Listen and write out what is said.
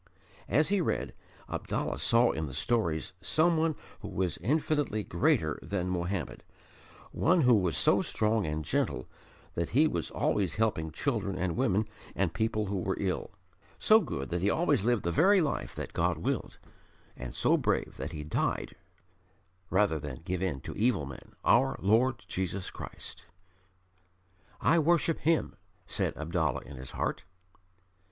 As he read, Abdallah saw in the stories Someone who was infinitely greater than Mohammed One who was so strong and gentle that He was always helping children and women and people who were ill; so good that He always lived the very life that God willed; and so brave that He died rather than give in to evil men our Lord Jesus Christ. "I worship Him," said Abdallah in his heart.